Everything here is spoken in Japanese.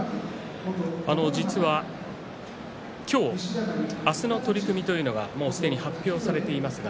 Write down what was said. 実は今日、明日の取組というのがすでに発表されていますか。